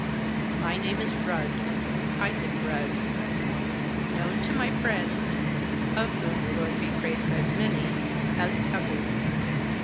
" My name is Rudd — Isaac Rudd ; known to my friends, of whom, the Lord be praised, I've many, as Covey.